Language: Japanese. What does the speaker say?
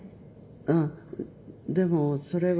ああでもそれは。